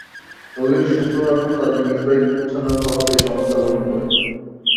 রোগীরা সুস্থ হওয়ার পর তাদের নিজ বাড়িতে পৌঁছানোর খরচ এই সংস্থা বহন করে।